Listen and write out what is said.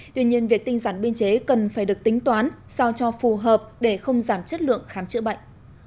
tuy nhiên việc tinh giản biên chế cần phải được tính toán sao cho phù hợp để không giảm chất lượng khám chữa bệnh